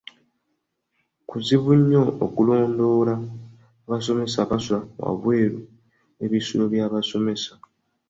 Kuzibu nnyo okulondoola abasomesa abasula wabweru w'ebisulo by'abasomesa.